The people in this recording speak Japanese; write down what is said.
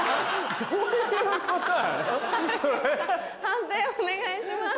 判定お願いします。